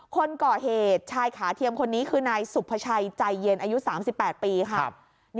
คนเกาะเหตุชายขาเทียงคนนี้คือนายสุภาชัยใจเย็นอายุสามสิบแปดปีค่ะครับ